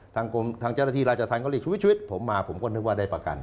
ทางเจ้าหน้าที่ราชธรรมเขาเรียกชีวิตผมมาผมก็นึกว่าได้ประกัน